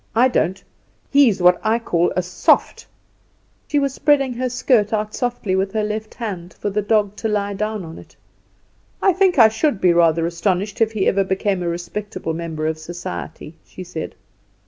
I don't. He's what I call soft." She was spreading her skirt out softly with her left hand for the dog to lie down on it. "I think I should be rather astonished if he ever became a respectable member of society," she said.